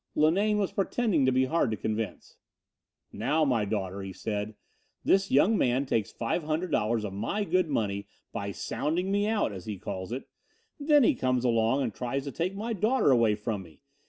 Linane was pretending to be hard to convince. "Now, my daughter," he said, "this young man takes $500 of my good money by sounding me out, as he calls it. Then he comes along and tries to take my daughter away from me.